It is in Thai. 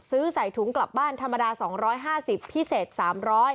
ซื้อใส่ถุงกลับบ้านธรรมดา๒๕๐พิเศษ๓๐๐บาท